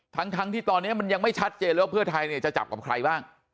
ทั้งที่ตอนนี้มันยังไม่ชัดเจนเลยว่าเพื่อไทยเนี่ยจะจับกับใครบ้าง